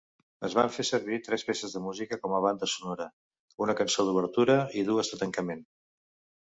Es van fer servir tres peces de música com a banda sonora: una cançó d'obertura i dues de tancament.